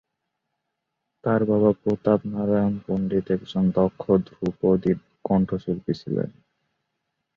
তার বাবা প্রতাপ নারায়ণ পণ্ডিত একজন দক্ষ ধ্রুপদী কণ্ঠশিল্পী ছিলেন।